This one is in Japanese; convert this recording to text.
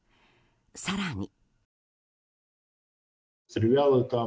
更に。